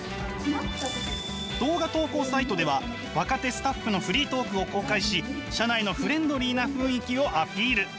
動画投稿サイトでは若手スタッフのフリートークを公開し社内のフレンドリーな雰囲気をアピール。